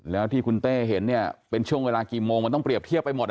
แล้วที่คุณเต้เห็นเนี่ยเป็นช่วงเวลากี่โมงมันต้องเรียบเทียบไปหมด